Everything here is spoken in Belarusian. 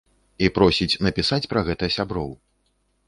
І просіць напісаць пра гэта сяброў.